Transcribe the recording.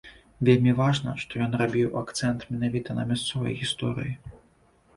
Вельмі важна, што ён рабіў акцэнт менавіта на мясцовай гісторыі.